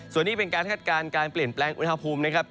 ส่วนนี้เป็นการคาดการณ์การเปลี่ยนแปลงอุณหภูมินะครับ